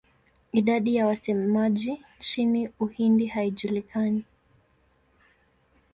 Idadi ya wasemaji nchini Uhindi haijulikani.